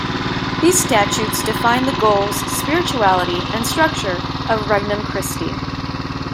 These statutes define the goals, spirituality, and structure of Regnum Christi.